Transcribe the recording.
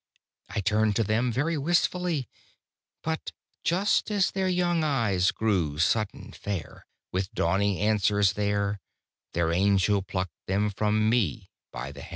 I turned me to them very wistfully; But just as their young eyes grew sudden fair With dawning answers there, Their angel plucked them from me by the hair.